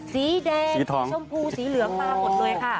สีแดงสีชมพูสีเหลืองปลาหมดเลยค่ะ